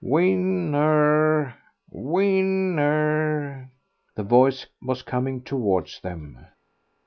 "Win ner, win ner." The voice was coming towards them.